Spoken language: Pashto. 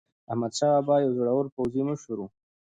احمدشاه بابا یو زړور پوځي مشر و.